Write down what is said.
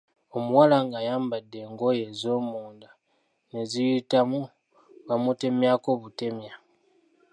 Omuwala ng’ayambadde engoye ez’omunda ne ziyitamu bamutemyako butemya.